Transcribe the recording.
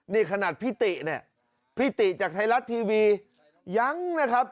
นี่ขนาดพี่ติเนี่ยพี่ติจากไทยรัฐทีวียังนะครับ